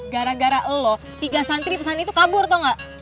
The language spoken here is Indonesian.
gara gara elo tiga santri pesan itu kabur tau gak